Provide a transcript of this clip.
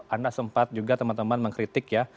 anda sempat juga teman teman mengkritik ya